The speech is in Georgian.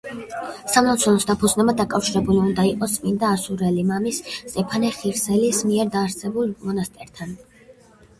სამლოცველოს დაფუძნება დაკავშირებული უნდა იყოს წმინდა ასურელი მამის სტეფანე ხირსელის მიერ დაარსებულ მონასტერთან.